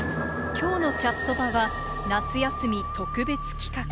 きょうのチャットバは、夏休み特別企画。